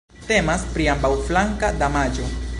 Temas pri ambaŭflanka damaĝo.